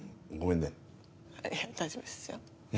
いや大丈夫ですよ。